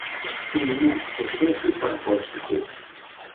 Iñaa ojeki pankotziki